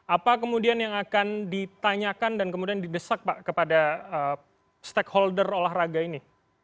apa kemudian yang akan ditanyakan dan kemudian didesak pak kepada stakeholder olahraga ini